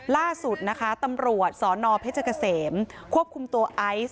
ล่าสุดนะคะตำรวจสนเพชรเกษมควบคุมตัวไอซ์